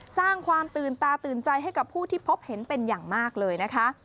สร้างความตื่นตาตื่นใจให้กับผู้ที่พบเห็นเป็นอย่างมากเลยนะคะ